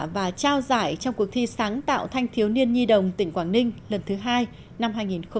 và trao giải trong cuộc thi sáng tạo thanh thiếu niên nhi đồng tỉnh quảng ninh lần thứ hai năm hai nghìn hai mươi